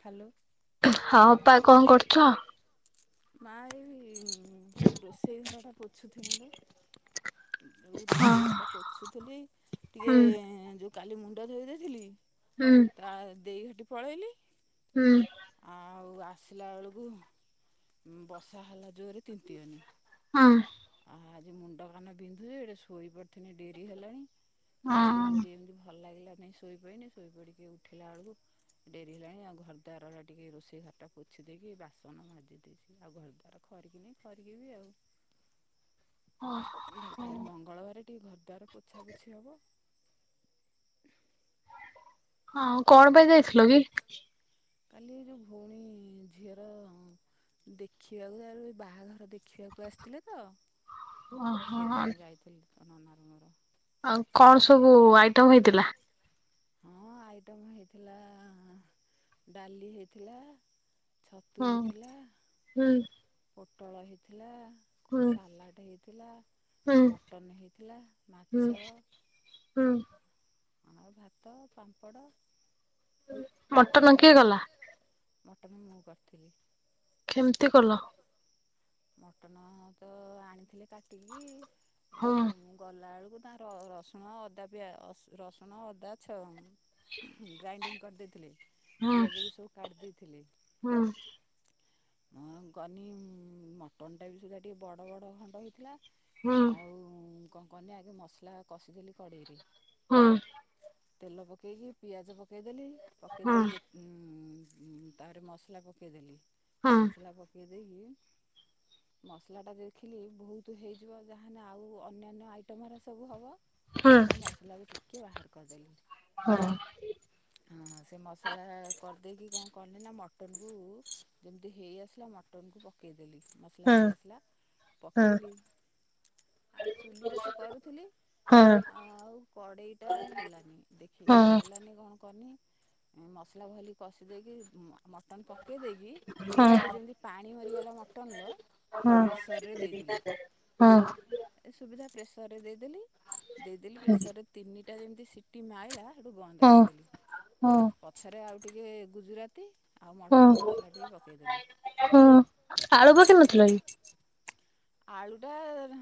Hello ହଁ ଅପା କଣ କରୁଥୁଅ? ମା ଏଇ ରୋଷେଇ ଘରଟା ପୋଛୁଥିନି ଲୋ। ଯୋଉ ହଁ ରୋଷେଇ ଘରଟା ପୋଛୁଥିଲି ଟିକେ ହୁଁ ଯୋଉ କାଲି ମୁଣ୍ଡ ଧୋଇ ଦେଇଥିଲି। ହୁଁ। ଆ ଦେଇ ହଟି ପଳେଇଲି। ହୁଁ। ଆଉ ଆସିଲା ବେଳକୁ ବର୍ଷା ହେଲା ଜୋରରେ ତିନ୍ତି ଗନି। ହଁ। ଆ ଆଜି ମୁଣ୍ଡ କାନ ବିନ୍ଧୁଛି ଏଡେ ଶୋଇ ପଡିିଥିନି ଡେରି ହେଲାଣି। ଖାଇଦେନି ଟିକେ ଏମିତି ଭଲ ଲାଗିଲା ନେଇଁ ଶୋଇପଇନି ଶୋଇ ପଡ଼ିକି ଉଠିଲାଳକୁ ଡେରି ହେଲାଣି ଆଉ ଘର ଦ୍ୱାର ରା ଟିକେ ରୋଷେଇ ଘର ଟା ପୋଛି ଦେଇକି ବାସନ ମାଜି ଦେଇଚି। ଆଉ ଘର ଦ୍ଵାର ଖରିକି ନି ଖରିକି ବି ଆଉ। ହଁ। କାଲି ମଙ୍ଗଳବାରେ ଟିକେ ଘର ଦ୍ୱାର ପୋଛା ପୋଛି ହବ। ଆଉ କଣ ପାଇଁ ଯାଇଥିଲ କି? କାଲି ଏ ଯୋଉ ଭଉଣୀ ଝିଅର ଦେଖିବାକୁ ତାରଏ ବାହାଘର ଦେଖିବାକୁ ଆସିଥିଲେ ତ। ଓହୋ ସେଇଥିପାଇଁ ଯାଇଥିଲି ତୋ ନନା ର ମୋର। ଆଉ କଣ ସବୁ ଆଇଟମ ହେଇଥିଲା? ହଁ ଆଇଟମ୍ ହେଇଥିଲା ଡାଲି ହେଇଥିଲା। ଛତୁ ହୁଁ ହେଇଥିଲା। ହୁଁ। ପୋଟଳ ହେଇଥିଲା। ହୁଁ ସାଲାଟ ହେଇଥିଲା ହୁଁ ମଟନ ହେଇଥିଲା ହୁଁ ମାଛ। ହୁଁ। ଆଉ ଭାତ ପାମ୍ପଡ଼। ମଟନ କିଏ କଲା? ମଟନ୍ ମୁଁ କରଥିଲି। ଖେମତି କଲ? ମଟନ ତ ଆଣିଥିଲେ କାଟିକି। ହଁ। ଗଲାଳକୁ ତା ରସୁଣ ଅଦା ପିଆ ରସୁଣ ଅଦା ଛ ଗ୍ରାଇଣ୍ଡିଙ୍ଗ କରଦେଇଥିଲେ ହଁ ପିଆଜକୁ ସବୁ କାଡ୍ ଦେଇଥିଲେ। ହଁ ମୁଁ ଗନି ମଟନ ଟା ବି ସୁଦ୍ଧା ଟିକେ ବଡ଼ ବଡ଼ ଖଣ୍ଡ ହେଇଥିଲା। ହଁ ଆଉ କଁ କନି ଆଗେ ମସଲା କଷିଦେଲି କଡ଼େଇରେ। ହୁଁ। ତେଲ ପକେଇକି ପିଆଜ ପକେଇଦେଲି ପକେଇ ହଁ ଦେଇକି ଗୋ ଉଁ ତାପରେ ମସଲା ପକେଇଦେଲି ହଁ ମସଲା ପକେଇ ଦେଇକି ମସଲା ଟା ଦେଖିଲି ବହୁତ ହେଇଯିବ ଯାହାନେ ଆଉ ଅନ୍ୟାନ୍ୟ ଆଇଟମରା ସବୁ ହବ। ହଁ ଅ ମସଲା କୁ ଟିକେ ବାହାର କରଦେଲି। ହଁ। ହଁ ସେ ମସଲା କରିଦେଇକି କଣ କଲି ନା ମଟନ କୁ ଯେମିତି ହେଇ ଆସିଲା ମଟନ କୁ ପକେଇଦଲି ହଁ ମସଲା ହଁ ହେଇ ଆସିଲା ହଁ ପକେଇଲି ଆ ଚୁଲିରେ ତ କରୁଥିଲି। ହଁ ଆଉ କଡେଇଟା ହେଲାନି ହଁ ଦେଖିକି ହେଲାନି କଣ କନି ମସଲା ଭଲି କଷି ଦେଇକି ମଟନ୍ ପକେଇ ଦେଇକି ହଁ ଟିକଏ ଯେମିତି ପାଣି ଭରିଗଲା ମ ଟନ ର ହଁ ହଁ ପ୍ରେସର୍ ରେ ଦେଇଦେଲି। ଏ ସୁବିଧା ପ୍ରେସରରେ ଦେଇଦେଲି ଦେଇଦେଲି ପ୍ରେସରରେ ତିନିଟା ଯେମିତି ସିଟି ମାଇଲା। ବନ୍ଦ ହଁ କରିଦେଲି ହଁ ପଛରେ ଆଉ ଟିକେ ଗୁଜୁରାତି ଆଉ ମଟନ୍ ମସଲା ଟିକେ ପକାଇଦେଲି। ହୁଁ ଆଳୁ [unintelligible] ଥିଲ କି? ଆଳୁଟା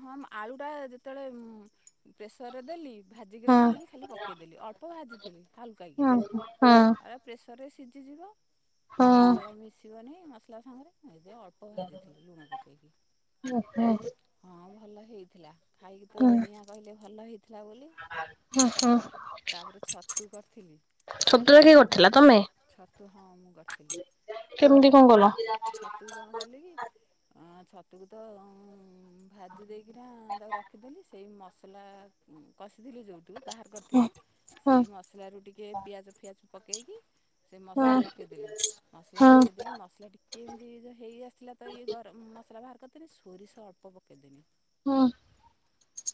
ହଁ ଆଳୁଟା ଯେତେବେଳେ ପ୍ରେସରରେ ଦେଲି। ଭାଜିକି ହଁ ରଖିଥିଲି ଖାଲି ପକେଇଦେଲି ଅଳ୍ପ ଭାଜିଥିଲି ହାଲୁକା କି ହଁ ହଁ ଆ ପ୍ରେସର ରେ ସିଝିଯିବ ହଁ ମସଲା ମିଶିବନି ମସଲା ସାଙ୍ଗରେ ଏ ଅଳ୍ ଳ୍ପ ଖାଇଦେଲି ଥିଲି ଲୁଣ ପକେଇକି। ଓହଁ। ହଁ ଭଲ ହେଇଥିଲା ଖାଇକି ତ ହୁଁ କୁଣିଆ କହିଲେ ଭଲ ହେଇଥିଲା ବୋଲି। ହଁ ହଁ। ତାପରେ ଛତୁ କରିଥିଲି। ଛତୁଟା କିଏ କରିଥିଲା ତମେ? ଛତୁ ହଁ ମୁଁ କରିଥିଲି। କେମତି କଣ କଲ? ଛତୁକୁ କଣ କଲି କି ଅ ଛତୁକୁ ତ ମୁଁ ଭାଜି ଦେଇକିନା ତାକୁ ରଖିଦେଲି ସେଇ ମସଲା କଷିଥିଲି ଯେଉଁଠୁ ବାହାର କରିଥିଲି ହଁ ସେଇ ମସଲାରୁ ଟିକି ପିଆଜ ଫିଆଜ ପକେଇକି ସେ ହଁ ମସଲା ପକେଇଦେଲି ମସଲା ହଁ ପକେଇଦକି ମସଲା ଟିକ କେମିତି ତ ହେଇ ଆସିଲଥିଲା ତ ଇଏ ଗରମ ମସଲା ବାହାର କରିଦେନି ସୋରିଷ ଅଳ୍ପ ପକେଇଦେନି। ହଁ।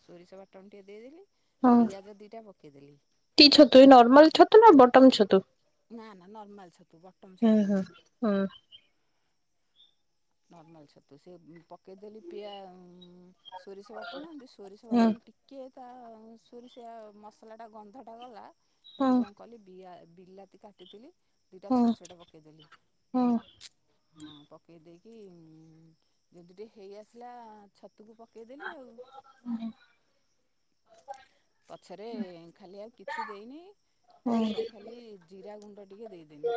ସୋରିଷ ବାଟଣ ଟିକେ ଦେଇଦେଲି ହଁ ପିଆଜ ଦୁଇଟା ପକେଇଦେଲି କି ଛତୁ ଏଇ ନର୍ମଲ ତୁ ନା ବଟମ ଛତୁ? ନା ନା ନର୍ମଲ ଛତୁ ବଟମ ହୁଁ ଛତୁ ହୁଁ ନୁହେଁ। ହୁଁ ନର୍ମାଲ ଛତୁ ସେ ବି ପକାଇଦେଲି ପିଆ ସୋରିଷ ବାଟନ ଏମତି ସୋରିଷ ହୁଁ ବାଟନ ଟିକ କିଏ ତା ସୁରି ସେ ମସଲା ଟା ଗନ୍ଧ ଟା ଗଲା ହୁଁ ହୁଁ ସେଠୁ କଣ କହିଲି [unintelligible] ବିଲାତି କାଟିଥିଲି ଦୁଟା ହୁଁ ଛୋଟ ଛୋଟ ପକେଇଲି। ହୁଁ ହଁ ପକେଇ ଦେଇକି ଯଦି ଟିକେ ହେଇ ଆସିଲା ଛତୁକୁ ପ ପକେଇ ଦେଲି ଆଉ। ପଛରେ ଖାଲି ଆଉ କିଛି ଦେଇନି ହୁଁ ହୁଁ ପଛରେ ଖାଲି ଜିରା ଗୁଣ୍ଡ ଟିକେ ଦେଇଦେନି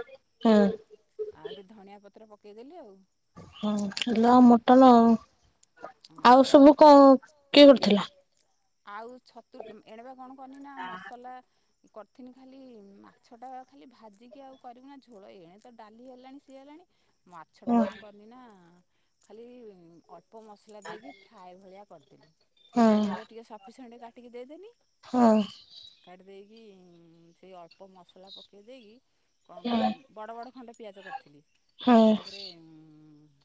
ଆଉ ଟିକେ ଧଣିଆ ପତ୍ର ପକେଇଦେଲି ଆଉ। ହଁ ହେଲା ଆଉ ମଟନ ହଁ ଆଉ ହଁ ସବୁ କଣ କିଏ କରିୁଥିଲା? ଆଉ ଛତୁ ଏଣବା କଣ କନି ନା ମସଲା କରିଥିନି ଖାଲି ମାଛଟା ଖାଲି ଭାଜିକି ଆଉ କରିବୁ ନା ଝୋଳ ଏଇଣେ ତ ଡାଲି ହେଲାଣି ସି ହେଲାଣି। ମାଛଟା ହଁ କଣ କରିନି ନା ଖାଲି ଅଳ୍ପ ମ ଲା ଦେଇକି ଫ୍ରାଏ ଭଳିଆ କରିଦେଲି ହଁ ପିଆଜ ଟିକେ ସଫିସିଣ୍ଟ କାଟିକି ଦେଇଦେଲି। ହଁ। କାଟିି ଦେଇକି ସେ ଅଳ୍ପ ମସଲା ପକେଇ ଦେଇକି କଣ ହଁ କନି ବଡ଼ ବଡ଼ ଖଣ୍ଡ ପିଆଜ କରିଥିଲି ହଁ ତାପରେ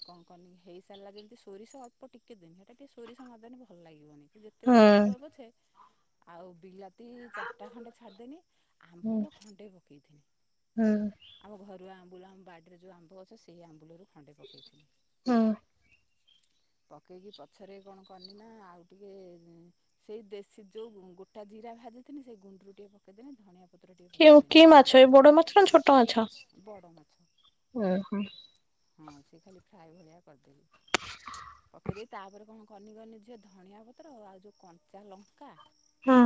କଣ କରନି ହେଇସାରିଲା ଯେମିତି ସୋରିଷ ଅଳ୍ପ ଟିକେ ଦେନି ଇଟା ଟିକେ ସୋରିଷ ନଦଲେ ଭଲ ଲାଗିବନି କି ଯେତେ ଯେତେ ଯାହା ହଁ ପକବା ପଛେ ଆଉ ବିଲା ରାତି ଚାରିଟା ଖଣ୍ଡେ ଛାଡିଦେନି ଆମ୍ବୁଲ ଖଣ୍ଡେ ପକେଇଦେନି। ହଁ ଆମ ଘରୁ ଆମ୍ବୁଲ ଆମ ବାଡ଼ିରେ ଯେଉଁ ଆମ୍ବ ଅଛି ସେଇ ଆମ୍ବୁଲରୁ ଖଣ୍ଡେ ପକେଇଥିଲି। ହଁ। ପକେଇକି ପଛରେ କଣ କନି ନା ଆଉ ଟିକଏ ସେଇ ଦେଶୀ ଯୋଉ ଗୋଟା ଜିରା ଭାଜିିନି ସେଇ ଗୁଣ୍ଡରୁ ଟିକେ ପକେଇଦେଲି ଧଣିଆ। ପତ୍ର ଟିକେ ପକେଇଦେନି କି ମାଛ ଏ ବଡ ମାଛ ନା ଛୋଟ ମାଛ ବଡ଼ ମାଛ ଓ ହଁ ସେ ଖାଲି ଫ୍ରାଏ ଭଳିଆ କରିଦେଲି। [inaudible] ପକେଇ ଦେଇେଇ ତାପରେ କଣ କରନି କନି ଝିଅ ଧନିଆ ପତ୍ର ଆଉ ଯେଉଁ କଞ୍ଚା ଲଙ୍କା। ହଁ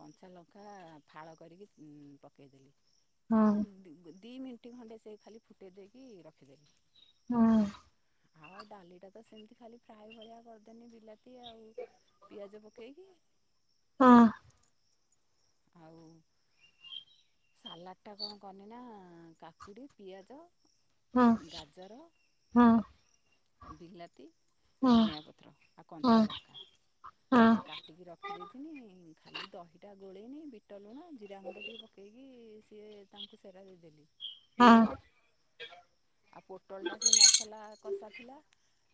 କଞ୍ଚା ଲଙ୍କା ଫାଳ କରିକି ପକାଇଦେଲି। ହଁ ଆଉ ଦିଇ ମିନିଟ୍ ଖଣ୍ଡେ ସେ ଖାଲି ଫୁଟେଇ ଦେଇକି ରଖିଦେବି। ହଁ ହଉଉ ଡାଲି ଟା ତ ସେମିତି ଖାଲି ଫ୍ରାଏ ଭଳିଆ କରିଦେନି ବିଲାତି ଆଉ ପିଆଜ ପକେଇକି। ହଁ ଆଉ! ସାଲାଡ଼ଟା କଣ କନି ନା କାକୁଡ଼ି ପିଆଜ ଗାଜର ବିଲାତି ଧନଆ ପତ୍ର ଆ କଞ୍ଚାଲଙ୍କା ସେ କାଟିକି ରଖିଦେଇଥିନି ଖାଲି ଦହିଟା ଗୋଳେଇନି ବିଟ ଲୁଣ ଜିରା ଗୁଣ୍ଡ ଟିକେ ପ କେଇକି ସିଏ ତାଙ୍କୁ ସେରା ଦେଇଦେଲି। ହଁ ଆଉ ପୋଟଳ ଟା ସେ ମସଲା କଷା ଥିଲା।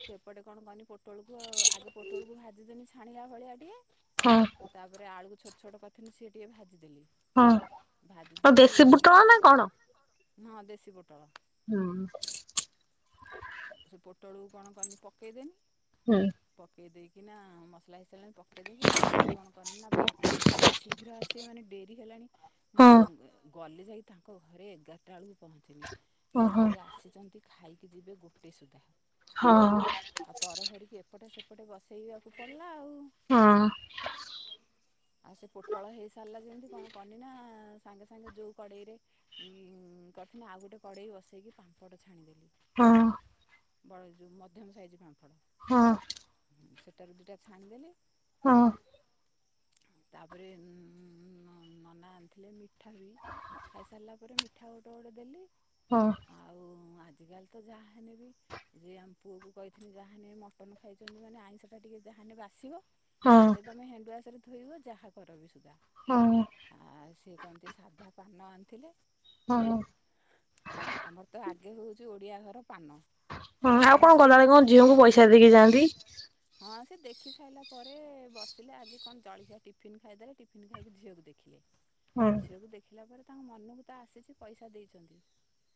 ସେପଟେ କଣ କହନି ପୋଟଳକୁ ଆଉ ଆଗେ ପୋଟଳକୁ ଭାଜିଦନି ଛାଣିଲା ଭଳିଆ ଟିକେ। ହଁ ତାପରେ ଆଳୁକୁ ଛୋଟ ଛୋଟ କଥାିନି ସିଏ ଟିକେ ଭାଜିଦେଲି। ହଁ, ଭାଜି ଆଉ ଦେଇକି ଦେଶୀ ମ ବୁଟଲ ନା କଣ? ହଁ ଦେଶୀ ପୋଟଳ। ହୁଁ ସେ ପୋଟଳକୁ କଣ କରିନି ପକେଇଦେନି। ହୁଁ ପକେଇ ଦେଇକି ନା ମ ସାଇ ସିଲାଣି ପେଇଦେଇକି ତାକୁ କଣ କରିନି ନା ବାହାର କରିଦେନି କେମିତି ଶୀଘ୍ର ଆସିବୋନେ ଡେରି ହେଲାଣି। ମୁଁ ହଁ ଗଲେ ଯାଇକ ତାଙ୍କ ଘରେ ଏଗାର ୋଟାବେଳକୁ ପହଞ୍ଚିଲି ସେ ଓହୋ ଫେରି ଆସିଛନ୍ତି ଖାଇକି ଯିବେ ଗୋଟେ ସୁଦ୍ଧା ହଁ ଆଉ ତର ଭରିକି ଏପଟେ ସେପଟେ ବସେଇବାକୁ ପଡିଲା ଆଉ। ହଁ [inaudible] ଆଉ ସେ ପୋଟଳ ହେଇ ସାରିଲା ଯେମିତି କଣ କନି ନା ସାଙ୍ଗେ ସାଙ୍ଗେ ଯୋଉ କଡେଇରେ। ଉ କରିଥିଲି ଆଉ ଗୋଟେ କଡେଇ ବସେଇକି ପାମ୍ପଡ଼ ଛାଣିଦେଲି। ହଁ ବଡ଼ ଯଉ ମଧ୍ୟମ ସାଇଜ୍ ପାମ୍ପଡ ହଁ ହଁ ସେଟାରୁ ଦିଟା ଛାଣିଦେଲି। ହଁ ତାପରେ ଉଁ ଉଁ ନି ନନା ଆଣିଥିଲେ ମିଠା ବି ଖାଇସାରିଲା ପରେ ମିଠା ଗୋଟେ ଗୋଟେ ଦେଲି ହଁ ଆଉ ଆଜିକାଲିତ ଯାହା ହେନେବି। ଯେ ଆମ ପୁଅକୁ କହିିଥିନି ଯାହା ହେନେ ମଟନ ଖାଇଚନ୍ତି ମାନେ ଆଇଁଷଟା ଟିକିଏ ଯାହାନେ ବାସିବ ହଁ ଯେତେ ତମେ ହ୍ୟାଣ୍ଡୱାସରେ ଧୋଇବ ଯାହା କରବି ସୁଧା। ହଁ। ଆ ସିଏ କଣତି ସାଧାପାନ ଆଣିଥିଲେ? ହଁ ହଁ। ଆମରତ ଆଗେ ହଉଛୁ ଓଡିଆ ଘର ପାନ। ହୁଁ ଆଉ ନୁହେଁ କଣକଲା କଣ ଝିଅଙ୍କୁ ପଇସା ଦେଇକି ଯାଆନ୍ତି? ହଁ ସେ ଦେଖି ସାରିଲା ପରେ ବସିଲେ ଆଗେ କଣ ଜଳିଖିଆ ଟିଫିିନ ଖାଇଦେଲେ ଟିଫିିନ ଖାଇକି ଝିଅକୁ ଦେଖି ଖିଲେ। ହଁ ଝିଅକୁ ଦେଖିଲା ପରେ ତାଙ୍କ ମନକୁତ ଆସିଛି ପଇସା ଦେଇଛନ୍ତି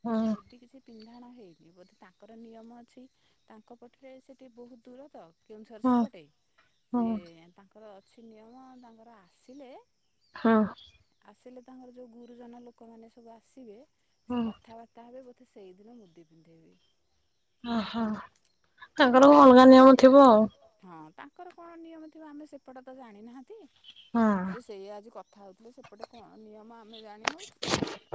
ହଁ ମୁଦି କିଛି ପିନ୍ଧାଣ ହେଇନି ବୋଧେ ତାଙ୍କର ନିୟମ ଅଛି ତାଙ୍କ ପଟରେ ସେ ଟିକିଏ ବହୁତ ଦୂରତ। କେଉଁଝର ହଁ ସେପଟେ ସିଏ ତାଙ୍କର ଅଛି ନିୟମ ତାଙ୍କର ଆସିଲେ। ହଁ। ଆସିଲେ ତାଙ୍କର ଯୋଉ ଗୁରୁଜନ ଲୋକମାନେ ସବୁ ଆସିବେ ସେ ହଁ କଥାବା ତାହାଲେ ବୋଧେ ସେହିଦିନ ମୁଦି ପିନ୍ଧେଇବେ। ଓହୋ ତାଙ୍କର ମୁଦି ଅଲଗା ନିୟମଥିବ ଆଉ। ହଁ ତାଙ୍କର କଣ ନିୟମଥିବ ଆମେ ସେପଟତ ଜାଣିନାହାନ୍ତି? ହଁ ସେ ସେଇଆ ଆଜି କଥା ହଉଥିଲେ ସେପଟେ କଣ ନିୟମ ଆମେ ଜାଣିନାହୁଁ।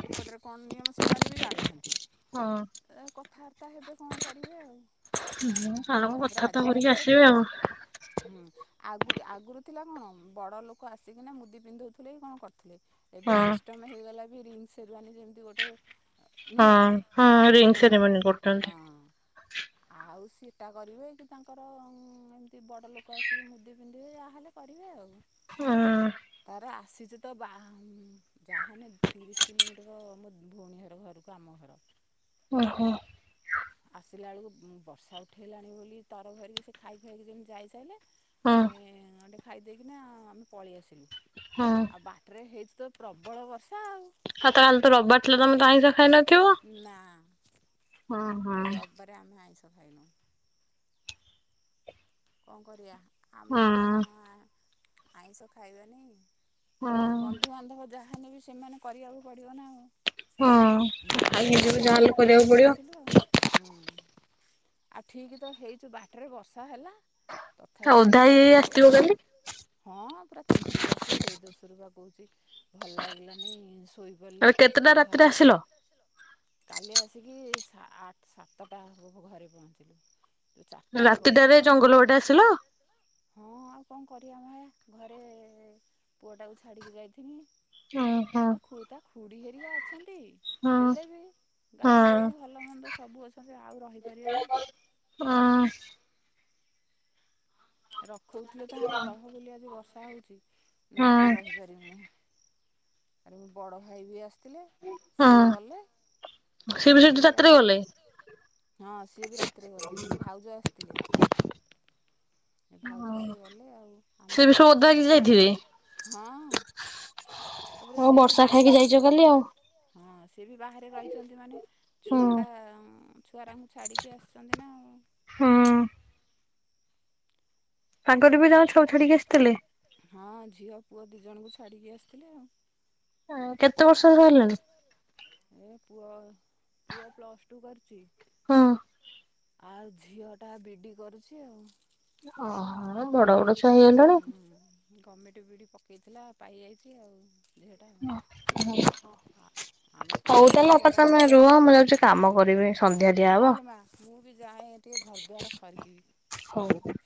ଏପଟରେ କଣ ନିୟମ ସେମାନେବି ଜାଣିନାହାନ୍ତି। ହଁ। ଏରା କଥାବାର୍ତ୍ତା ହେବେ କଣ କରିବେ ଆଉ। [unintelligible] ଛାଡମ ତାପରେ କଥାବାର୍ତ୍ତା ଆଜିକାଲି କରିକି ତ ଆସିବେ ଆଉ ହୁଁ ଆଗ ଆଗରୁ ଥିଲା କଣ ବଡଲୋକ ଆସିକିନା ମୁଦି ପିନ୍ଧଉଥିଲେକି କଣ କରୁଥିଲେ। ଏବେ ହଁ ସିଷ୍ଟମ ହେଇଗଲାକି ରିଙ୍ଗ ସେରିୱାନି ଯେମ ତି ଗୋଟ ନୁହେଁ ହଁ ଗୋଟେ ରିଙ୍ଗ ହେଇଗଲା ସେରିମନି କରୁଛନ୍ତି ହଁ। ଆଉ ସେଟା କରିବେ କିତାଙ୍କର ଏମିତି ବଡଲୋକ ଆସିକି ମୁଦି ପିନ୍ଧ ସିଏ ଯାହେଲେ କରିବେ ଆଉ ହଁ ତାର ଆସିଛିତ ବାହା ଯାହାନେ ତିରିଶି କିଲୋମିଟର ଆମ ଭଉଣୀହର ଘରକୁ ଆମ ଘର। ଓହୋ। ଆସିଲା ବେଳକୁ ଉୁଁ ବର୍ଷା ଉ ଉଠେଇଲାଣି ବୋଲି ତର ଭରିକି ସେ ଖାଇକି ଖାଇକି ଯେମିତି ଯାଇସାରିଲେ ହଁ ଆମେ ଗଣ୍ଡେ ଖାଇଦେଇକିନା ଆମେ ପଳେଇଆସିଲୁ। ହଁ। ଆଉ ବାଟରେ ହେଇଚୁତ ପ୍ରବଳ ବର୍ଷା ଆଉ। ଆଉ ତାହଲେତ ରବିବାର ଥିଲା ତମେ ଆଇଁସ ଖାଇନଥିବ ନା ହଁ ଏ ହଁ। ରବିବାରେ ଆମେ ଆଇଁସ ଖାଇନୁ। କଣ କରିବା ଆମେ ହଁ ସିନା ଆଁ ଆଁ ଆଇଁଷ ଖାଇବାନେହିଁ। ହଁ ବନ୍ଧୁବାନ୍ଧବ ଯାହାହେନେବେ ସେମାନେ କରିବାକୁ ପଡିବନା ଆଉ। ହଁ ଆମେ ଖାଲି ଖାଇକି ଏମିତି ଯିବ ସାଧା ଯାହାହେଲେ କରିବାକୁ ଖାଇଦେଇକି ପଡିବ ଆସିଲୁ ଆଉ। ହୁଁ ଆଉ ଠିକତ ହେଇଚୁ ବାଟରେ ବର୍ଷାହେଲା। ସ ଓଦା ହେଇ ହେଇ ଆସିଥିବ ଖାଲି। ହଁ ପୁରା ତିନ୍ତିକି ଆସିଛି ସେଇ ଦୋଷରୁବା କହୁଚି। ଭଲ ଲାଗିଲାନି ଶୋଇପଡିଲି ଆଉ କେତେଟା ରାତିରେ ଗାଧୁଆଳଟା। ଆସିଲ କାଲି ଆସିକି ଏଇ ସା ଆତ ସାତଟା ହବ ଘରେ ପହଞ୍ଚିଲି। ଯୋଉ ଚାରିଟା ବେଳେ ବର୍ଷାଟା ହେଲା ଏପଟେ ଆସିଲ? ହଁ, ଆଉ କଣ କରିବା ମାୟା, ଘରେ ପୁଅଟାକୁ ଛାଡ଼ିକି ଯାଇଥିନି? ହଁ ହଁ ଆ, ଖୁ, ତା ଖୁଡି ହେରିକା ଅଛନ୍ତି, ହଁ ହେଲେ ବି ଗାଈ ଗୋରୁ ଭଲମନ୍ଦ ସବୁ ଅଛନ୍ତି, ଆଉ ରହିପାରିବା ନା? ହଁ ରଖୋଉଥିଲେ ତାହାର ରହ ବୋଲି, ଆଜି ବର୍ଷା ହଉଚି, ନା ହଁ ରହି ପାରିବିନି। ତାର ଉ ବଡ଼ ଭାଇ ବି ଆସିଥିଲେ। ହଁ ସିଏ ଗଲେ, ସିଏ ବି ଆଉ ମୁଁ ସେଠି ରାତିରେ ଇଆଡେ, ଗଲେ [unintelligible] ହଁ। ସିଏବି ରାତିରେ ଗଲେ, ଭାଉଜ ଆସିଥିଲେ। ଭାଉଜ ସିଏ ଗଲେ, ଆଉ ସିଏ ଆମେ ବି ସବୁ ଏପଟେ ଓଦା ଆସିଲୁ, ହେଇକି ଯାଇଥିବେ [unintelligible] ହଁ। ତାପରେ ଆଉ ସିଏ ବି ବର୍ଷା ବାହାରେ ଖାଇକି ରହୁ ଯାଇଛ କାଲି ଆଉ ହଁ, ସେ ବି ବାହାରେ ରହିଛନ୍ତି ମାନେ, ହୁଁ ଛୁଆଟା ଛୁଆରାଙ୍କୁ ଛାଡ଼ିକି ଆସିଛନ୍ତି ନା ଆଉ ହୁଁ ଆଗରୁ ବି ତାଙ୍କ ଛୁଆକୁ ଛାଡିକି ଆସିଥିଲେ? ହଁ, ଝିଅ, ପୁଅ ଦି ଜଣଙ୍କୁ ଛାଡ଼ିକି ଆସିଥିଲେ ଆଉ। ହଁ, କେତେ ବର୍ଷରେ ବାହାରିଲାଣି? ଏ ପୁଅ, ପୁଅ ପ୍ଲସ୍ ଟୁ କରୁଛି। ହଁ ଆଉ ଝିଅଟା ବି ଡ଼ି କରୁଛି ଆଉ ଓହୋ ବଡ଼ ବଡ଼ ହୁଁ ହୁଁ, ଗୋମେଣ୍ଟ ବି ଡ଼ି ପକେଇଥିଲା, ପାଇଯାଇଛି ଆଉ। ଝିଅଟା [unintelligible] ଆଉ ଆମ ହଉ, ପୁଅଟା ତ ତାହେଲେ ବି ଅପା, ବଡ଼ ତମେ ହେଲା ରୁହ, ମୁଁ ଯାଉଛି। କାମ କରିବି, ସନ୍ଧ୍ୟା ହଁ ଦିଆହବ। ଲୋ ମା ମୁଁ ବି ଯାଏ ଟିକେ ଘର ଦ୍ୱାର ଖରିକିବି ହଉ।